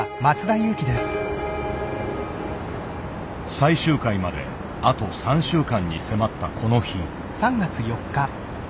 最終回まであと３週間に迫ったこの日。